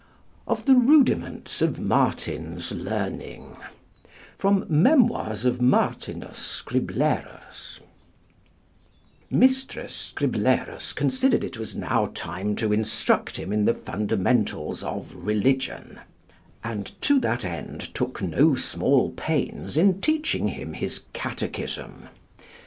OF THE RUDIMENTS OF MARTIN'S LEARNING From 'Memoirs of Martinus Scriblerus' Mrs. Scriblerus considered it was now time to instruct him in the fundamentals of religion, and to that end took no small pains in teaching him his catechism.